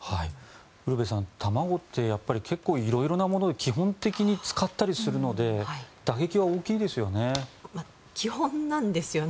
ウルヴェさん卵って結構色々なものに基本的に使ったりするので打撃は大きいですよね。